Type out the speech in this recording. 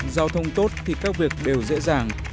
giao thông tốt thì các việc đều dễ dàng